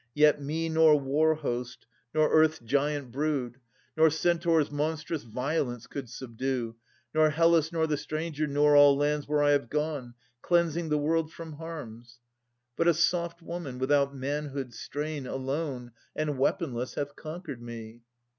Yet me nor War host, nor Earth's giant brood, Nor Centaur's monstrous violence could subdue, Nor Hellas, nor the Stranger, nor all lands Where I have gone, cleansing the world from harms. But a soft woman without manhood's strain Alone and weaponless hath conquered me.